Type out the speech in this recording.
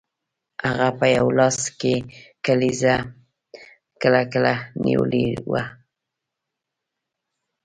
هغه په یو لاس کې کلیزه کلکه نیولې وه